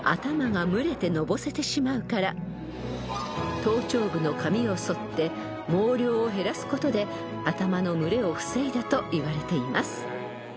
［頭頂部の髪をそって毛量を減らすことで頭の蒸れを防いだといわれています］